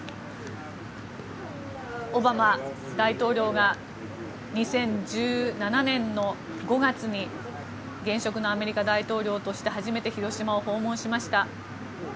オバマ大統領が２０１７年の５月に現職のアメリカ大統領として初めて広島を訪問しました。